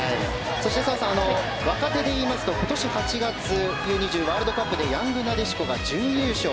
そして澤さん若手でいいますと今年８月Ｕ‐２０のワールドカップでヤングなでしこが準優勝。